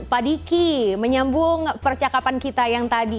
pak diki menyambung percakapan kita yang tadi